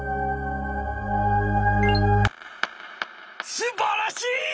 すばらしい！